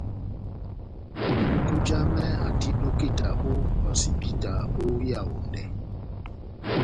Iluku jamɛ andi dɔkita ó hosipita ó Yaondɛ.